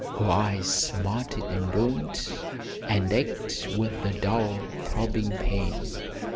Her eyes smarted and burned, and ached with a dull throbbing pain.